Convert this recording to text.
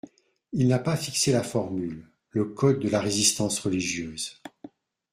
Il n'a pas fixé la formule, le code de la résistance religieuse.